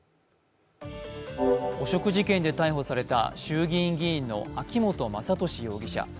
汚職事件で逮捕された衆議院議員の秋本真利容疑者。